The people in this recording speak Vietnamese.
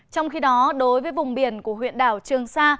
trong khi đó đối với vùng biển của huyện đảo trường sa